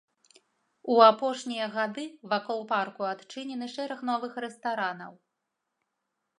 У апошнія гады вакол парку адчынены шэраг новых рэстаранаў.